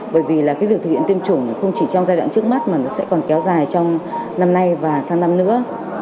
bởi vì là cái việc thực hiện tiêm chủng không chỉ trong giai đoạn trước mắt mà nó sẽ còn kéo dài trong năm nay và sang năm nữa